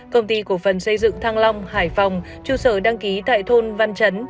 công ty cổ phần xây dựng thăng long hải phòng trụ sở đăng ký tại thôn văn chấn